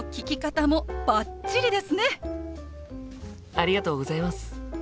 ありがとうございます！